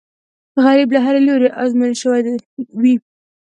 غریب له هرې لورې ازمېیل شوی وي